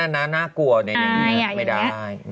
อย่างนั้นน่ากลัวอย่างนี้ไม่ได้